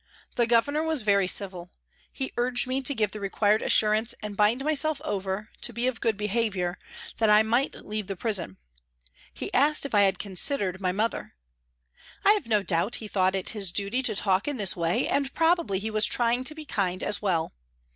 The Governor was very civil. He urged me to give the required assurance and bind myself over " to be of good behaviour," that I might leave the prison. He asked if I had " considered " my mother. I have no doubt he thought it his duty to talk in this way, and probably he was trying to be kind as well.